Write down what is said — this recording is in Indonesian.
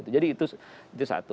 jadi itu satu